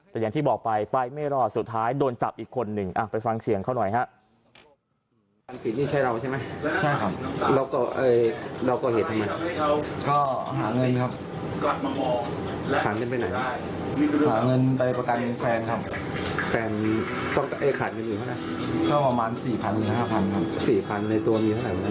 แต่อย่างที่บอกไปไปไม่รอดสุดท้ายโดนจับอีกคนหนึ่งไปฟังเสียงเขาหน่อยฮะ